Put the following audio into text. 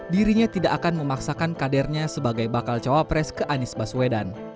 dirinya tidak akan memaksakan kadernya sebagai bakal cawapres ke anies baswedan